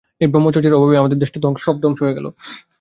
এই ব্রহ্মচর্যের অভাবেই আমাদের দেশের সব ধ্বংস হয়ে গেল।